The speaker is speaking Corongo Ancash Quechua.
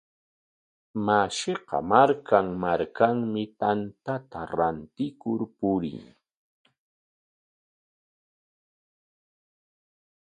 Mashiqa markan markanmi tanta rantikur purin.